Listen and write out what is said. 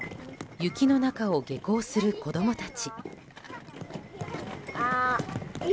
雪の中を下校する子供たち。